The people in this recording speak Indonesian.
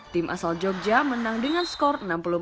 tim asal jogja menang dengan skor enam puluh empat lima puluh tujuh